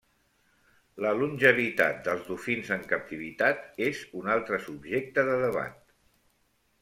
La longevitat dels dofins en captivitat és un altre subjecte de debat.